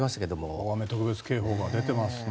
大雨特別警報が出てますね。